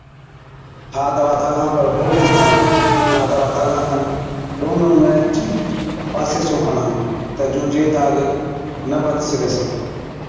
ها دَوا داگا پر هوڙيُون هڻا ها دَوا داگا کن ڏون ڏون اينچ پاسي سُون هڻا تہ جُون جي داگ نہ بڌ سِگھس۔